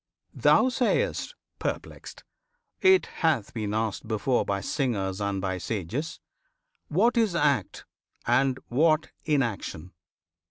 Thou sayst, perplexed, It hath been asked before By singers and by sages, "What is act, And what inaction?